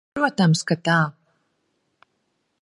Protams, ka tā.